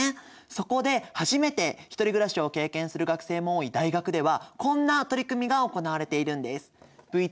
そこで初めて１人暮らしを経験する学生も多い大学ではこんな取り組みが行われているんです。